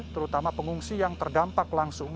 terutama pengungsi yang terdampak langsung